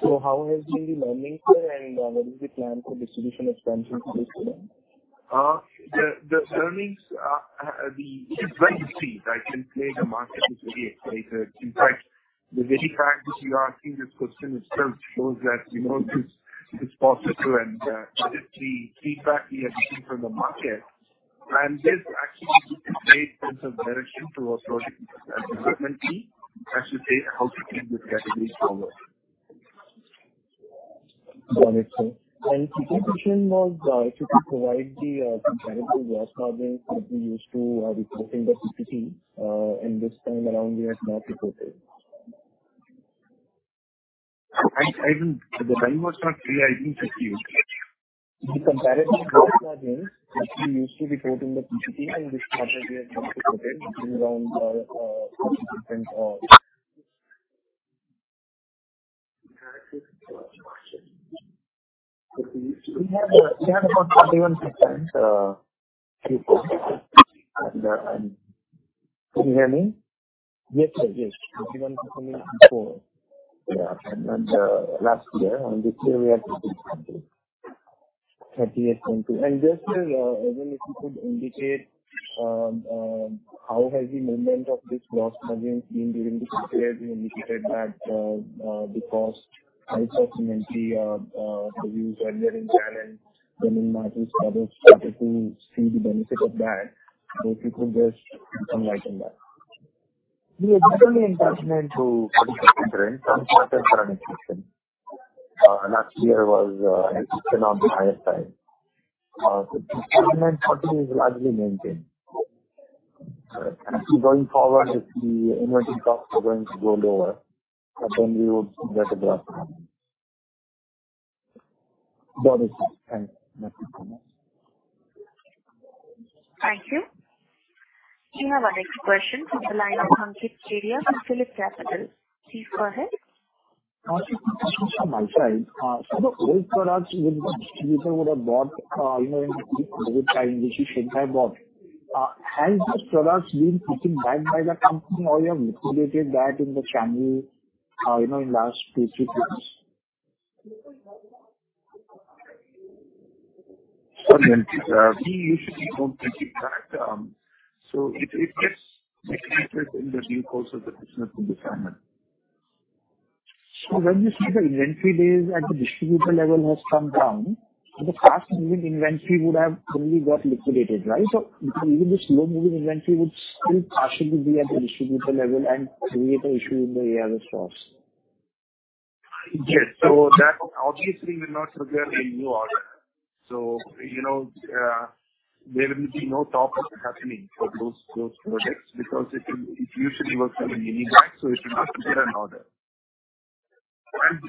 How has been the learnings there, and what is the plan for distribution expansion for this product? The learnings. It's what you see, right? In play, the market is very excited. In fact, the very fact that you are asking this question itself shows that, you know, this is possible and positive feedback we have seen from the market. This actually is a great sense of direction to our product and development team, as to say, how to take this category forward. Got it, sir. The second question was, if you could provide the competitive gross margin that we used to report in the PCP, in this time around, we have not reported. The volume was not clear. I didn't get you. The comparative gross margins that we used to report in the PCP, and this quarter we have just reported around, 30%. We have about 31%, PCP. Can you hear me? Yes, sir, yes. 31% before. Yeah. last year, and this year we are at 38.2. 38.2%. Just, even if you could indicate, how has the movement of this gross margin seen during this year? We indicated that, because I saw recently, the views earlier in channel, then in markets, others started to see the benefit of that. If you could just shed some light on that. We are definitely encouragement to 30% range and process for an exception. Last year was an exception on the higher side. 30% is largely maintained. Actually, going forward, if the inventory costs are going to go lower, but then we would get a grasp. Got it, sir. Thank you. Thank you so much. Thank you. We have our next question from the line of Ankit Kedia from PhillipCapital. Please go ahead. Just two questions from my side. The old products which the distributor would have bought, you know, in the good time, which is said, "I bought." Has this product been taken back by the company, or you have liquidated that in the channel, you know, in last two, three years? Sorry, we usually don't take it back. It gets in the due course of the business in the channel. When you see the inventory days at the distributor level has come down, the fast-moving inventory would have only got liquidated, right? Even the slow-moving inventory would still partially be at the distributor level and create an issue in the ARS stores. Yes. That obviously will not occur in new order. You know, there will be no top-up happening for those projects because it usually works on a mini back, so it must be in order.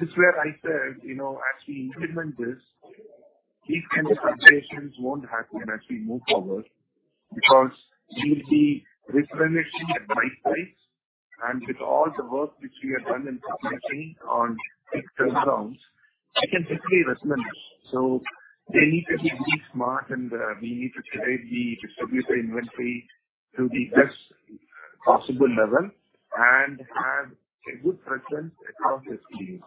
This is where I said, you know, as we implement this, these kind of situations won't happen as we move forward, because we will be replenishing at right price. With all the work which we have done in supply chain on fixed grounds, I can quickly replenish. They need to be really smart, and we need to create the distributor inventory to the best possible level and have a good presence across the SKUs.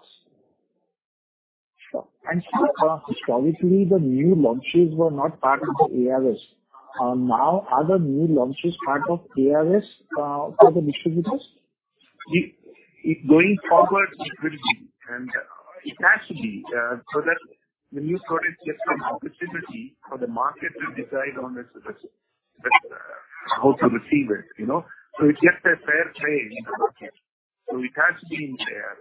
Sure. sir, probably the new launches were not part of the ARS. now, are the new launches part of ARS, for the distributors? It, going forward, it will be, and it has to be, so that the new products get some opportunity for the market to decide on this, how to receive it, you know? It gets a fair play in the market, so it has to be in there.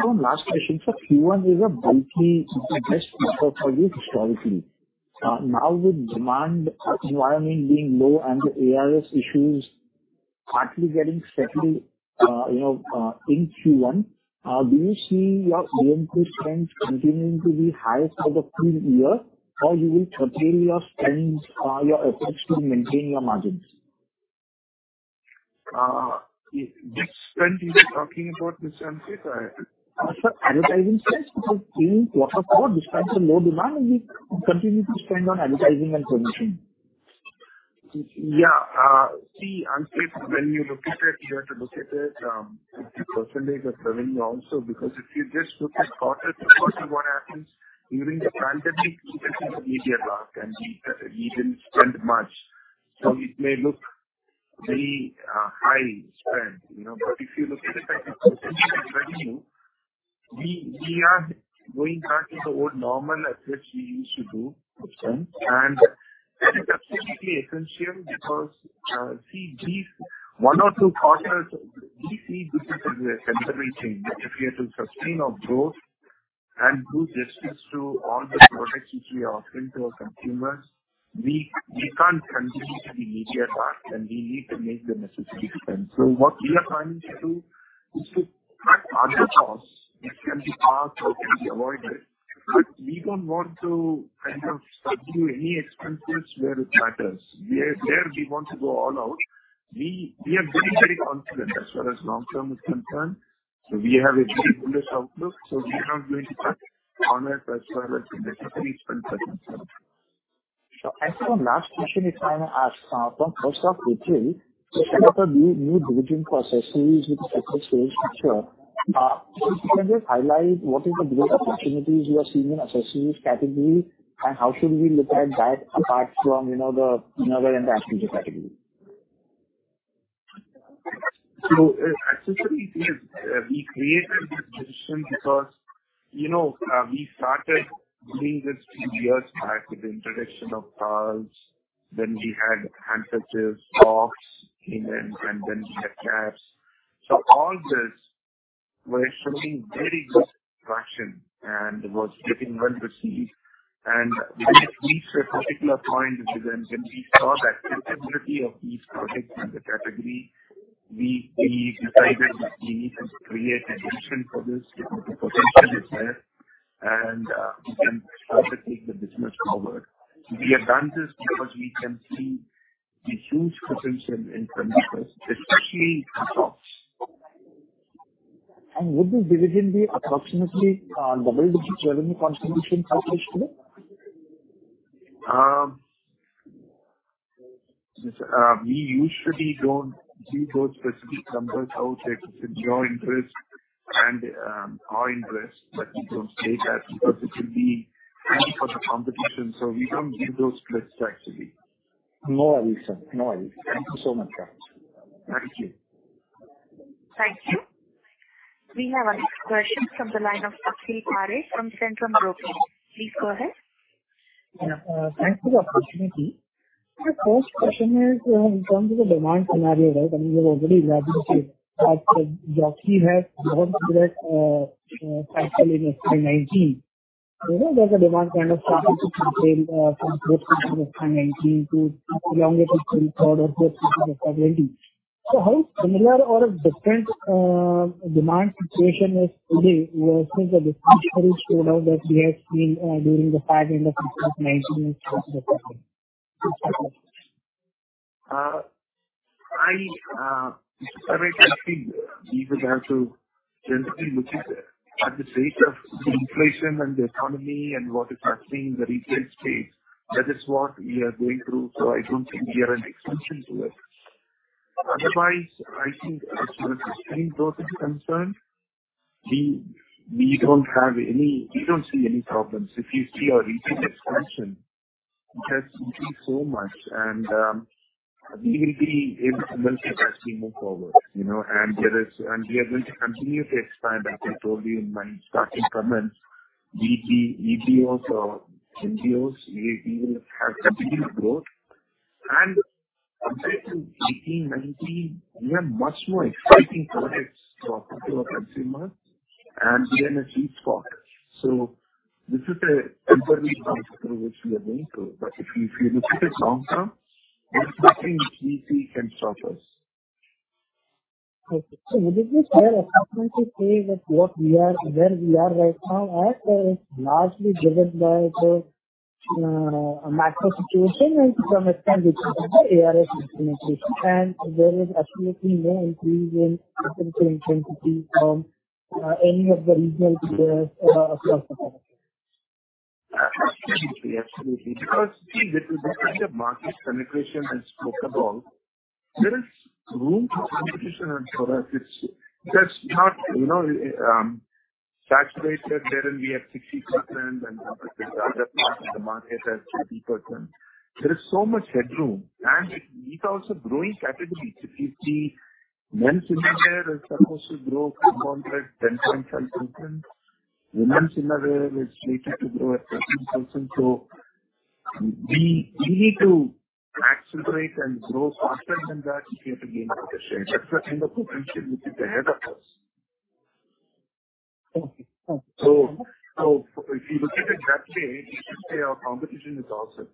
Sir, last question. Sir, Q1 is a bulky, best quarter for you historically. Now with demand environment being low and the ARS issues partly getting settled, you know, in Q1, do you see your DMP trends continuing to be highest for the full year, or you will curtail your spend, your efforts to maintain your margins? Which spend you are talking about, Mr. Ankit? Sir, advertising spend. Because seeing Q4, despite the low demand, we continue to spend on advertising and promotion. Yeah. See, Ankit, when you look at it, you have to look at it, the % of revenue also, because if you just look at quarter to quarter, what happens during the pandemic, we were media dark and we didn't spend much. It may look very, high spend, you know. If you look at it as a % of revenue, we are going back to the old normal approach we used to do for spend. That is absolutely essential because, see, these one or two quarters, we see this is a temporary change. If we are to sustain our growth and do justice to all the products which we offer to our consumers, we can't continue to be media dark, and we need to make the necessary spend. What we are trying to do is to cut other costs, which can be passed or can be avoided, but we don't want to kind of subdue any expenses where it matters. Where we want to go all out, we are very, very confident as far as long term is concerned. We have a very bullish outlook, so we are not going to cut on our necessary spend for the concern. Sure. Sir, last question I wantm to ask. From first of April, you set up a new division for accessories with separate sales structure. Can you just highlight what is the growth opportunities you are seeing in accessories category, and how should we look at that apart from, you know, the inner and outer category? Accessories, we created this division because, you know, we started doing this few years back with the introduction of towels. Then we had hand accessories, socks came in, and then we had caps. All this were showing very good traction and was getting well received. We reached a particular point, and then when we saw that sensibility of these products in the category, we decided that we need to create a division for this. The potential is there, and we can further take the business forward. We have done this because we can see the huge potential in front of us, especially in socks. Would this division be approximately double-digit revenue contribution townhouse today? We usually don't give those specific numbers out. It's in your interest and our interest, but we don't say that because it will be free for the competition, so we don't give those splits actually. No worries, sir. No worries. Thank you so much. Thank you. Thank you. We have our next question from the line of Akhil Parekh from Centrum Broking. Please go ahead. Yeah. Thanks for the opportunity. My first question is, in terms of the demand scenario, right, I mean, you have already mentioned that Jockey has done great fiscal in 19. You know, there's a demand kind of started to maintain from growth of 19 to longer full product of 20. How similar or different demand situation is today versus the history showed up that we have seen during the back end of 19 and 20? I think we would have to generally look at the state of the inflation and the economy and what is happening in the retail space. That is what we are going through, so I don't think we are an exception to it. Otherwise, I think as far as spending growth is concerned, we don't see any problems. If you see our retail expansion, it has increased so much and we will be able to well successfully move forward, you know, we are going to continue to expand. As I told you in my starting comments, we see EBOs or MBOs, we will have continued growth. Compared to 18, 19, we have much more exciting products for our consumers, and we are in a sweet spot. This is a temporary phase through which we are going through. If you look at it long term, there's nothing easy can stop us. Okay. Would it be fair assessment to say that where we are right now at, is largely driven by the macro situation and to some extent because of the ARS penetration, and there is absolutely no increase in potential intensity from any of the regional players across the country? Absolutely. Absolutely. See, with the kind of market penetration that spoke about, there is room for competition and for us, it's, that's not, you know, saturated, wherein we have 60%, and the other part of the market has 40%. There is so much headroom, and it's also growing category. If you see, men's underwear is supposed to grow compound at 10.5%. Women's underwear is slated to grow at 13%. We need to accelerate and grow faster than that if we have to gain market share. That's the kind of potential which is ahead of us. Okay. If you look at it that way, you should say our competition is ourselves.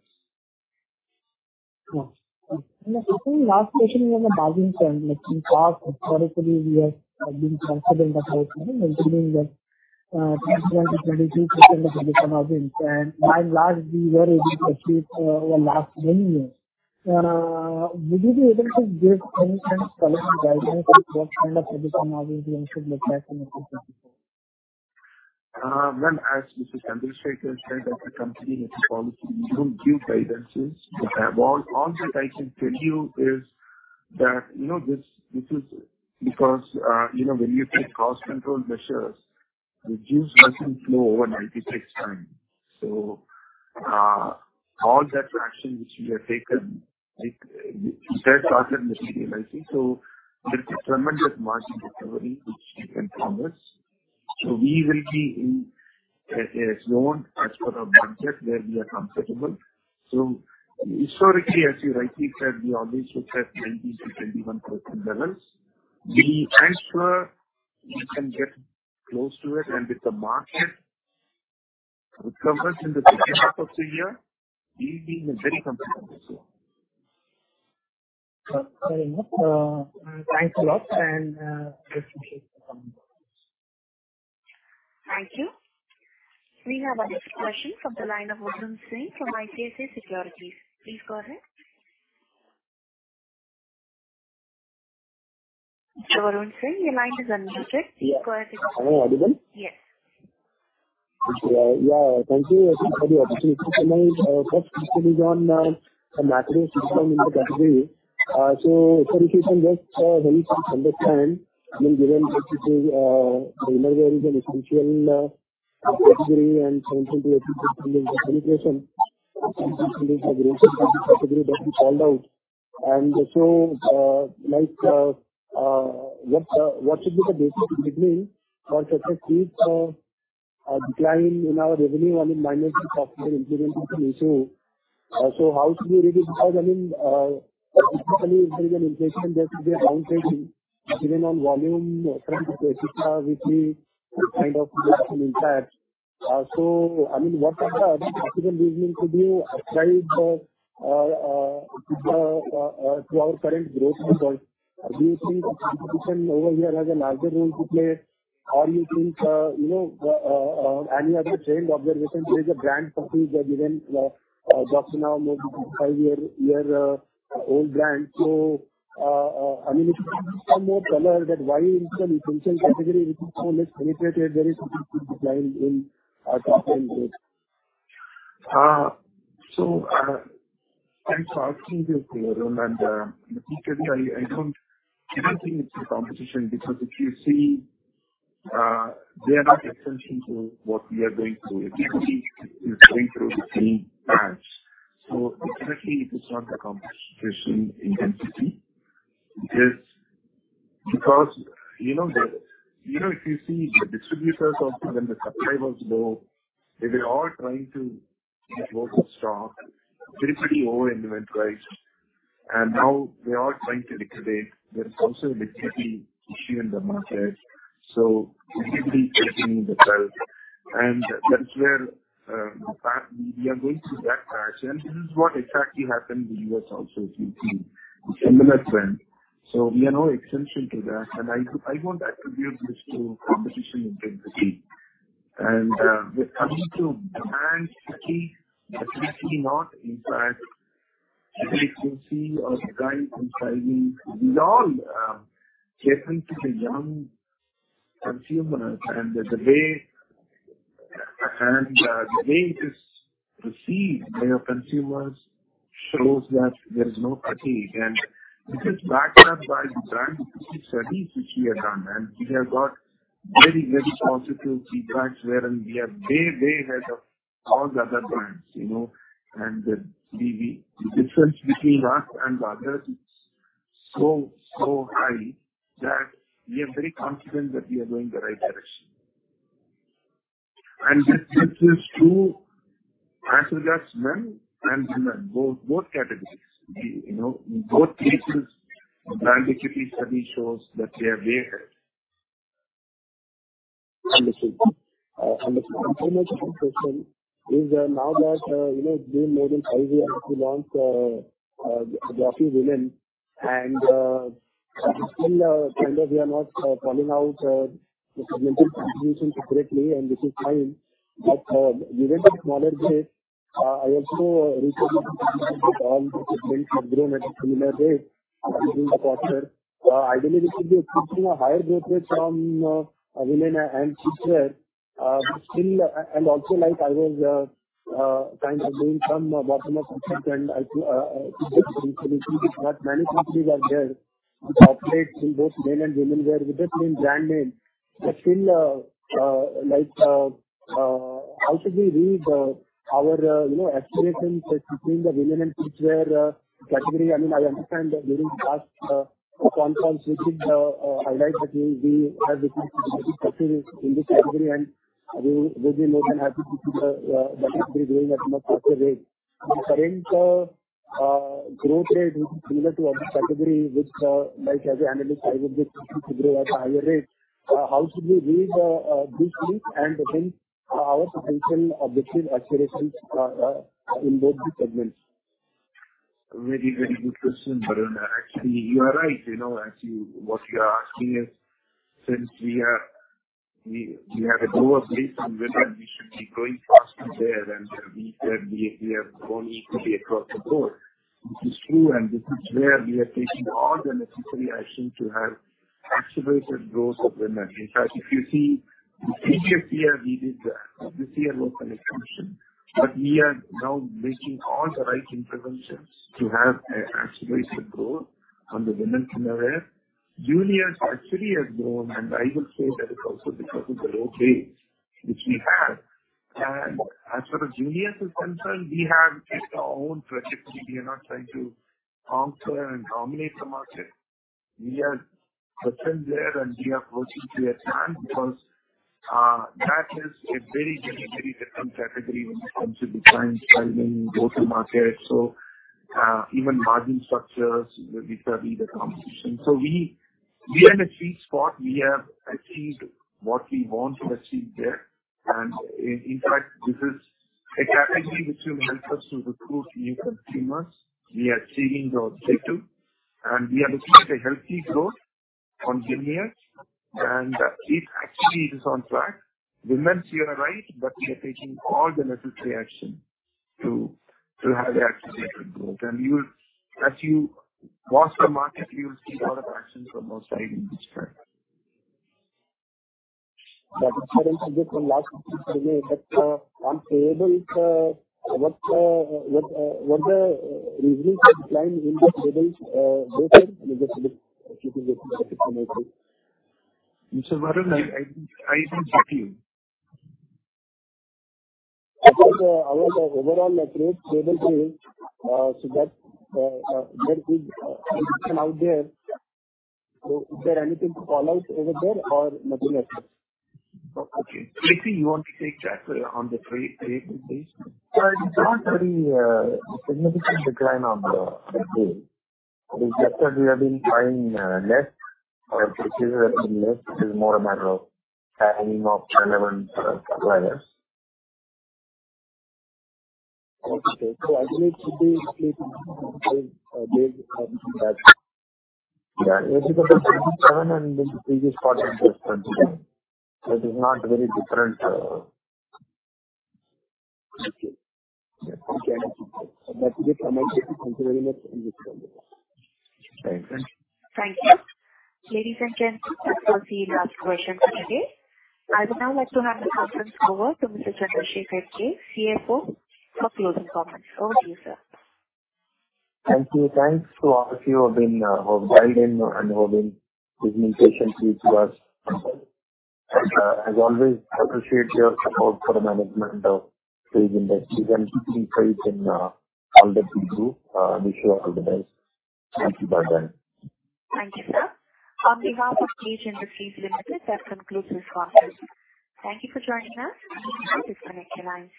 Last question on the margin front, like in the past, historically, we have been confident of maintaining the 21%-22% EBITDA margin, and by and large, we were able to achieve over the last many years. Would you be able to give any kind of color or guidance on what kind of EBITDA margin we should look at in the future? Ma'am, as Mr. Administrator said, as a company, as a policy, we don't give guidances. All that I can tell you is that, you know, this is because, you know, when you take cost control measures, the juice doesn't flow over overnight it takes time. All that action which we have taken, like, they started materializing. There's tremendous margin recovery which we can foresee. We will be in a zone as per our budget, where we are comfortable. Historically, as you rightly said, we always look at 19%-21% levels. We ensure we can get close to it, and with the market recovery in the second half of the year, we will be very comfortable this year. thanks a lot, and appreciate for coming. Thank you. We have our next question from the line of Varun Singh from ICICI Securities. Please go ahead. Varun Singh, your line is unmuted. Yeah. Please go ahead. Am I audible? Yes. Yeah, thank you for the opportunity. My first question is on the macro system in the category. If you can just help us understand, I mean, given that, you know, there is an essential category and 7%-8% penetration category that we called out. like, what should be the basic reasoning for such a steep decline in our revenue, I mean, minus the possible implementation issue? How should we read it? Because, I mean, typically, if there is an inflation, there should be a downgrade even on volume, which is kind of impact. I mean, what are the other possible reasons could you ascribe to our current growth result? Do you think competition over here has a larger role to play, or you think, you know, and you have the trend observation, there is a brand fatigue, given, Jockey now may be 5 year old brand? I mean, if you can give some more color that why in an essential category, which is so less penetrated, there is a steep decline in our top line growth? Thanks for asking this, Varun, and particularly, I don't think it's a competition, because if you see, they are not exemption to what we are going through. Everybody is going through the same patch. Exactly, it is not a competition intensity. It is because, you know, if you see the distributors or even the suppliers, though, they are all trying to get local stock, basically, over-inventorize, and now they are trying to liquidate. There is also a liquidity issue in the market, liquidity taking its toll. That's where, we are going through that patch, this is what exactly happened in the US also, if you see a similar trend. We are no exemption to that, I won't attribute this to competition intensity. With coming to demand fatigue, definitely not. In fact, if you see our designs and styling, we all cater to the young consumers, and the way it is received by your consumers shows that there is no fatigue. This is backed up by the brand studies which we have done, and we have got very, very positive feedback, wherein we are way ahead of all the other brands, you know? The difference between us and the others is so high that we are very confident that we are going the right direction. This is true as well as men and women, both categories. You know, in both cases, the Brand Equity Study shows that we are way ahead. Understood. Understood. My second question is, now that, you know, it's been more than five years since you launched, Jockey Women, and still, kind of, we are not calling out, the segment contribution correctly, and this is fine. But given the smaller base, I also recently grown at a similar rate during the quarter. Ideally, we should be seeing a higher growth rate from women and footwear. Like, I was kind of doing some bottom-up research and I not many companies are there which operate in both men and women wear with the same brand name. But still, like, how should we read our, you know, acceleration between the women and footwear category? I mean, I understand that during the last conference, we should highlight that we have become very successful in this category, and we'll be more than happy to see the category growing at a much faster rate. The current growth rate, which is similar to other category, which, like, as an analyst, I would be looking to grow at a higher rate. How should we read this week and then our potential objective accelerations in both the segments? Very, very good question, Varun. Actually, you are right. You know, actually, what you are asking is, since we have a lower base on women, we should be growing faster there, and we have grown equally across the board. This is true, and this is where we are taking all the necessary action to have accelerated growth of women. In fact, if you see the figure here, we did this year was an exception, but we are now making all the right interventions to have a accelerated growth on the women footwear. Juniors actually has grown, and I will say that is also because of the low base which we had. As far as juniors is concerned, we have our own trajectory. We are not trying to counter and dominate the market. We are present there. We are approaching to a plan because that is a very, very different category when it comes to design, styling, go-to-market. Even margin structures, we study the competition. We are in a sweet spot. We have achieved what we want to achieve there. In fact, this is a category which will help us to recruit new consumers. We are achieving the objective. We are achieving a healthy growth on juniors. It actually is on track. Women's, you are right. We are taking all the necessary action to have accelerated growth. As you watch the market, you'll see a lot of actions from our side in this front. That is good for last year. On payable, what the reason for decline in the payable days? Varun, I don't get you. Our overall net rate payable is so that there is out there. Is there anything to call out over there or nothing like this? Okay. PC, you want to take that on the payable base? Sir, it's not very significant decline on the base. It's just that we have been buying less or purchases have been less. It is more a matter of timing of relevant suppliers. Okay. I believe it should be. Yeah. It's about 77 and the previous quarter was 29. It is not very different. Okay. That is a considerable change. Thank you. Thank you. Ladies and gentlemen, that was the last question for today. I would now like to have the conference over to Mr. K. Chandrashekar, CFO, for closing comments. Over to you, sir. Thank you. Thanks to all of you who have been, who have dialed in and who have been listening patiently to us. As always, I appreciate your support for the management of Page Industries and keeping faith in all that we do. Wish you all the best. Thank you, Ganesh. Thank you, sir. On behalf of Page Industries Limited, I conclude this conference. Thank you for joining us. You may disconnect your lines.